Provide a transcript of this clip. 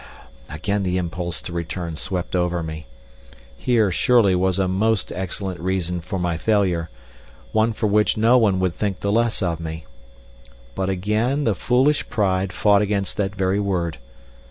Again the impulse to return swept over me. Here, surely, was a most excellent reason for my failure one for which no one would think the less of me. But again the foolish pride fought against that very word.